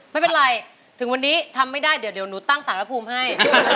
ไม่เป็นไรถึงวันนี้ทำไม่ได้เดี๋ยวหนูตั้งสารภูมิให้